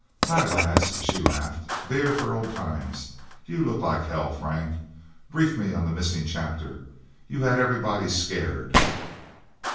"Hi, lads," she laughed. "Beer for old times?... You look like hell, Frank. Brief me on the missing chapter. You had everybody scared."